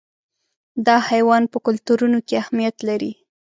دا حیوان په کلتورونو کې اهمیت لري.